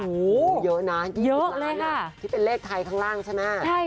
โอ้โหเยอะนะ๒๐ล้านที่เป็นเลขไทยข้างล่างใช่ไหม